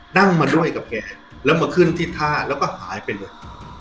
นั่งมาด้วยกับแกแล้วมาขึ้นที่ท่าแล้วก็หายไปเลย